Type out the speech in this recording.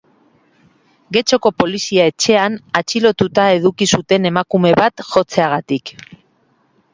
Getxoko polizia etxean atxilotuta eduki zuten emakume bat jotzeagatik.